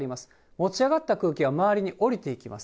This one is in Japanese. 持ち上がった空気は周りに下りていきます。